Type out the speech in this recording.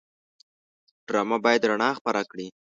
ډرامه باید رڼا خپره کړي